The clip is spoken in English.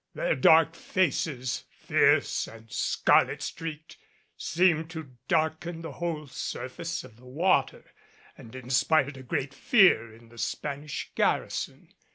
Their dark faces, fierce and scarlet streaked, seemed to darken the whole surface of the water and inspired a great fear in the Spanish garrison.